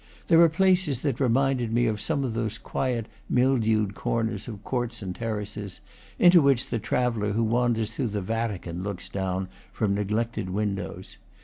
There are places that reminded me of some of those quiet, mildewed corners of courts and ter races, into which the traveller who wanders through the Vatican looks down from neglected windows.